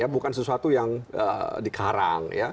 bukan sesuatu yang di karang